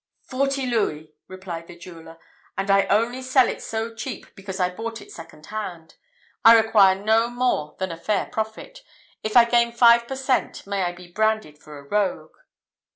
"Forty louis!" replied the jeweller, "and I only sell it so cheap because I bought it second hand. I require no more than a fair profit. If I gain five per cent., may I be branded for a rogue!"